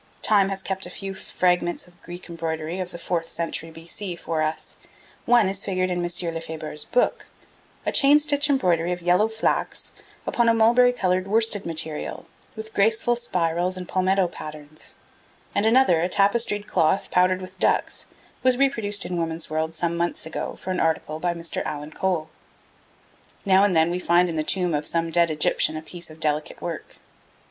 Time has kept a few fragments of Greek embroidery of the fourth century B.C. for us. One is figured in M. Lefebure's book a chain stitch embroidery of yellow flax upon a mulberry coloured worsted material, with graceful spirals and palmetto patterns: and another, a tapestried cloth powdered with ducks, was reproduced in the Woman's World some months ago for an article by Mr. Alan Cole. {334a} Now and then we find in the tomb of some dead Egyptian a piece of delicate work.